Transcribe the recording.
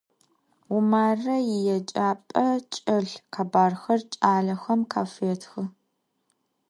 Vumare yiêcap'e çç'elh khebarxer ç'alexem khafêtxı.